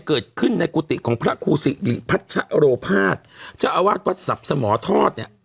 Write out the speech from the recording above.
เกิดขึ้นในกุฏิของพระครูสิริพัชโรภาสเจ้าอาวาสวัดสับสมทอดเนี่ย